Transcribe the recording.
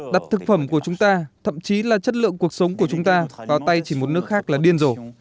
đặt thực phẩm của chúng ta thậm chí là chất lượng cuộc sống của chúng ta vào tay chỉ một nước khác là điên rổ